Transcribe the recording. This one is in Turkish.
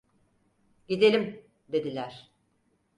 "Gidelim!" dediler.